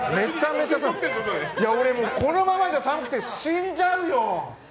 俺、このままじゃ寒くて死んじゃうよ。